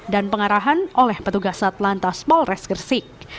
dan pengarahan oleh petugas atlantas polres gersik